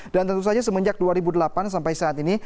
dan tentu saja semenjak dua ribu delapan sampai saat ini